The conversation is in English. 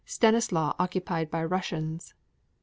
Stanislau occupied by Russians.